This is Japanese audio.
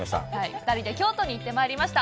２人で京都に行ってまいりました。